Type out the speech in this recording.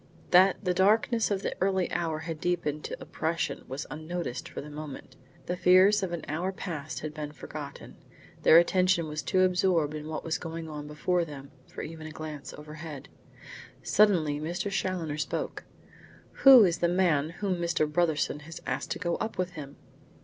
That the darkness of early evening had deepened to oppression, was unnoticed for the moment. The fears of an hour past had been forgotten. Their attention was too absorbed in what was going on before them, for even a glance overhead. Suddenly Mr. Challoner spoke. "Who is the man whom Mr. Brotherson has asked to go up with him?"